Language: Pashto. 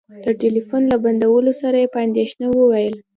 د ټلفون له بندولو سره يې په اندېښنه وويل.